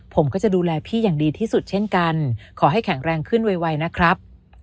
ผมก็จะดูแลพี่อย่างดีที่สุดเช่นกันขอให้แข็งแรงขึ้นไวนะครับ